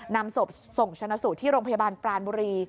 นำศพส่งชนะสูตรที่โรงพยาบาลปรานบุรี